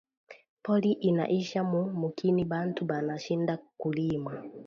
Pori ina isha mu mukini bantu bana shinda ku rima